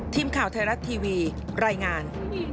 ทีมข่าวไทยรัฐทีวีรายงาน